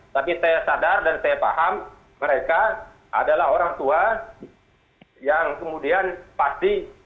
tapi saya sadar dan saya paham mereka adalah orang tua yang kemudian pasti